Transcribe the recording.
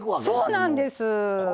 そうなんです。